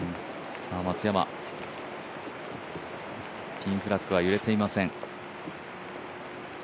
松山、ピンフラッグは揺れていません。